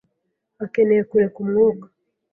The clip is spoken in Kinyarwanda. akeneye kureka umwuka.